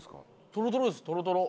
トロトロ！